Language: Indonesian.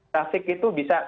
trafik itu bisa